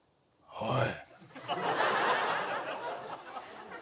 おい！